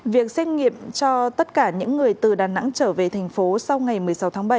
việc xét nghiệm cho tất cả những người từ đà nẵng trở về thành phố sau ngày một mươi sáu tháng bảy